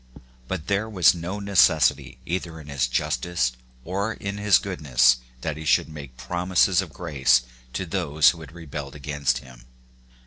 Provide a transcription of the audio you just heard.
But there was no necessity either in his justice or in his goodness that he should make promises of grace to those who had rebelled against him.